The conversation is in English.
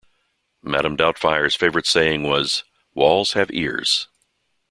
Madame Doubtfire's favourite saying was "walls have ears".